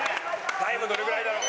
タイムどれぐらいだろう？